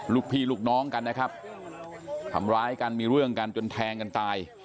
ลูกพี่ลูกน้องกันนะครับทำร้ายกันมีเรื่องกันจนแทงกันตาย